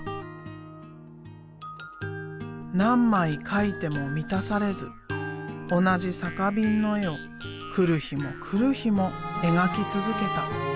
何枚描いても満たされず同じ酒瓶の絵を来る日も来る日も描き続けた。